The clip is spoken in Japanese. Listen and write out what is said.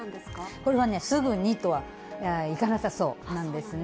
これはね、すぐにとはいかなさそうなんですね。